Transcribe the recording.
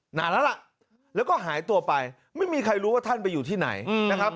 นานแล้วล่ะแล้วก็หายตัวไปไม่มีใครรู้ว่าท่านไปอยู่ที่ไหนนะครับ